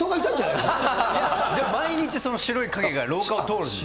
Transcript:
いや、でも毎日その白い影が廊下を通るんです。